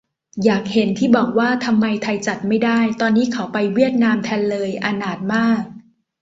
อยากเห็น ที่บอกว่าทำไมไทยจัดไม่ได้ ตอนนี้เขาไปเวียดนามแทนเลย อนาถมาก